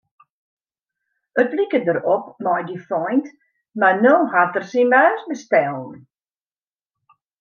It like derop mei dy feint, mar no hat er syn baas bestellen.